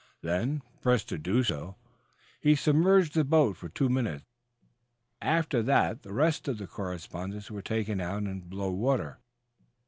Then, pressed to do so, he submerged the boat for two minutes. After that the rest of the correspondents were taken out and below the water.